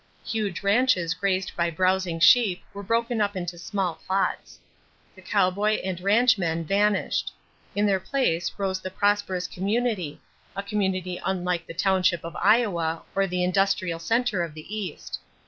Huge ranches grazed by browsing sheep were broken up into small plots. The cowboy and ranchman vanished. In their place rose the prosperous community a community unlike the township of Iowa or the industrial center of the East.